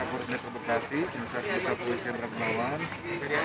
polres metro bekasi inset inset polisi yang berkenawan